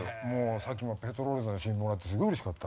さっきもペトロールズの新譜があってすごいうれしかった。